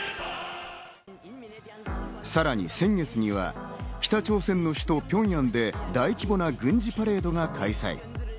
さらに先月には北朝鮮の首都ピョンヤンで大規模な軍事パレードが開催。